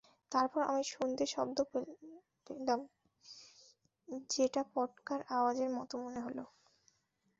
তারপর আমি শব্দ শুনতে পেলাম, যেটা পটকার আওয়াজের মতো মনে হলো।